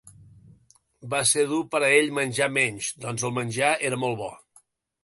Va ser dur per a ell menjar menys, doncs el menjar era molt bo.